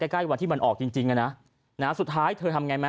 ใกล้วันที่มันออกจริงอ่ะนะสุดท้ายเธอทำไงไหม